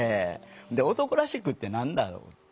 で男らしくって何だろうって。